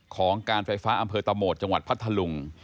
ของการไฟฟ้าอำเภอตะโหมดจังหวัดพัทธลุง